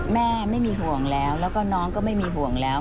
แม่ไม่มีห่วงแล้วแล้วก็น้องก็ไม่มีห่วงแล้ว